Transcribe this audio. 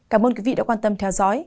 cảm ơn quý vị đã quan tâm theo dõi